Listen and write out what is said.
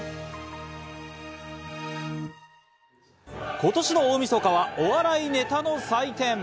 今年の大みそかはお笑いネタの祭典。